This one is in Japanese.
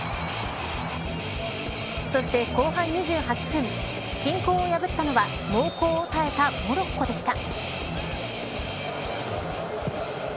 そして後半２８分均衡を破ったのは猛攻を耐えたモロッコでした。